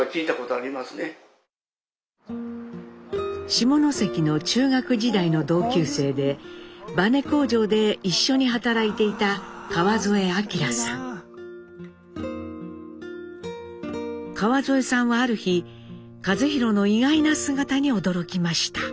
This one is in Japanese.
下関の中学時代の同級生でバネ工場で一緒に働いていた川添さんはある日一寛の意外な姿に驚きました。